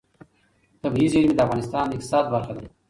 طبیعي زیرمې د افغانستان د اقتصاد برخه ده.